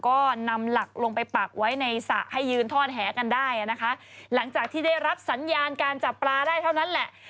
ก็นำหลักลงไปปักไว้ในสระให้ยืนทอดแหกันได้นะคะหลังจากที่ได้รับสัญญาณการจับปลาได้เท่านั้นแหละ